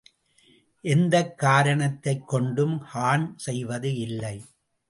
எந்தக் காரணத்தைக் கொண்டும் ஹார்ன் செய்வது இல்லை.